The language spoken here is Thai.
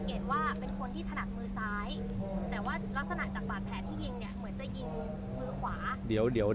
แต่ว่ารักษณะจากบาดแผลที่ยิงเหมือนจะยิงมือขวา